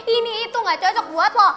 ini itu gak cocok buat loh